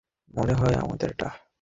মনে হয় আমাদেরটা।